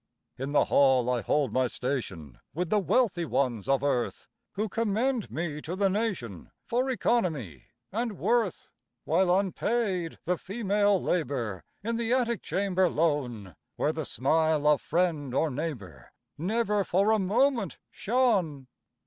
In the hall I hold my station, With the wealthy ones of earth, Who commend me to the nation For economy and worth, While unpaid the female labor, In the attic chamber lone, Where the smile of friend or neighbor Never for a moment shone.